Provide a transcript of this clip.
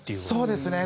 そうですね。